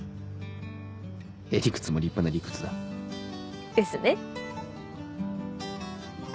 ヘリクツも立派な理屈だ。ですね。